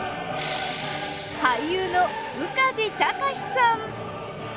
俳優の宇梶剛士さん。